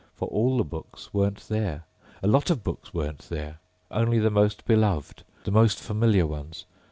For all the books weren't there. A lot of books weren't there! Only the most beloved, the most familiar ones.